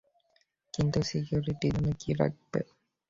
কিন্তু সিকিউরিটির জন্য কী রাখবে?